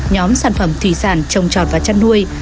nhóm sản phẩm thủy sản trồng trọt và chăn nuôi